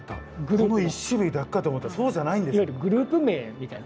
この１種類だけかと思ったらそうじゃないんですね。